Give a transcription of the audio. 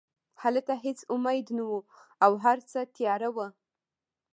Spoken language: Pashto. هلته هېڅ امید نه و او هرڅه تیاره وو